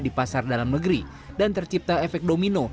di pasar dalam negeri dan tercipta efek domino